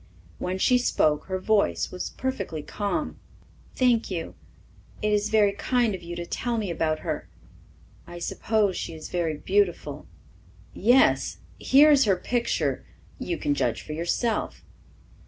When she spoke her voice was perfectly calm. "Thank you, it is very kind of you to tell me about her. I suppose she is very beautiful." "Yes, here is her picture. You can judge for yourself."